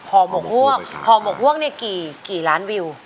ฮอมบกหวกกี่ล้านวิว